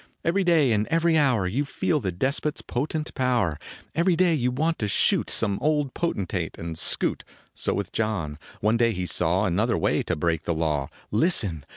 Every day and every hour You feel the despot s potent power ; Every day you want to shoot Some old potentate and scoot, So with John. One day he saw Another way to break the law, Listen